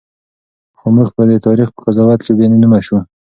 خو موږ به د تاریخ په قضاوت کې بېنومه شو.